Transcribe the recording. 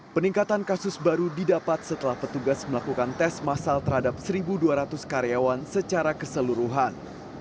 peningkatan kasus baru didapat setelah petugas melakukan tes masal terhadap satu dua ratus karyawan secara keseluruhan